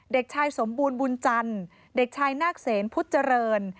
เด็กชายสมบูรณ์บุญจันทร์เด็กชายนาคเซนพุทธเจริญ